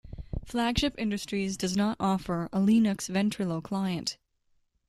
Flagship Industries does not offer a Linux Ventrilo client.